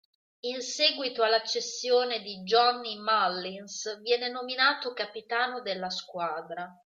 In seguito alla cessione di Johnny Mullins viene nominato capitano della squadra.